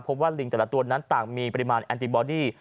ว่าลิงแต่ละตัวนั้นต่างมีปริมาณแอนติบอดี้